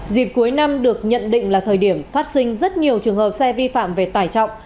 dịp cuối năm được nhận định là thời điểm phát sinh rất nhiều trường hợp xe vi phạm về tải trọng